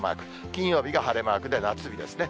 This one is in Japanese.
金曜日が晴れマークで夏日ですね。